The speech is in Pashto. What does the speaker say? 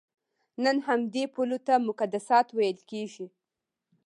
نن همدې پولو ته مقدسات ویل کېږي.